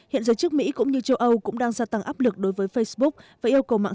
hiện giới chức mỹ cũng như châu âu cũng đang gia tăng áp lực đối với facebook và yêu cầu mạng